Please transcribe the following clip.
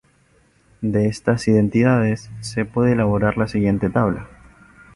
De estas identidades, se puede elaborar la siguiente tabla.